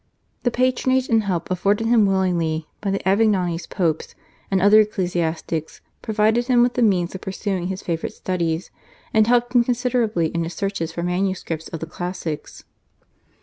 The patronage and help afforded him willingly by the Avignonese Popes and other ecclesiastics provided him with the means of pursuing his favourite studies, and helped him considerably in his searches for manuscripts of the classics.